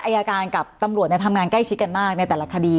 อายการกับตำรวจทำงานใกล้ชิดกันมากในแต่ละคดี